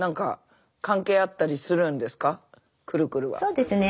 そうですね。